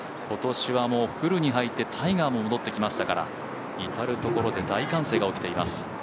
今年はフルに入って、タイガーも戻ってきましたから至る所で大歓声が起きています。